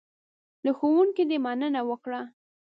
له ښوونکي دې مننه وکړه .